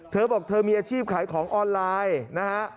เธอบอกเธอมีอาชีพขายของออนไลน์นะฮะ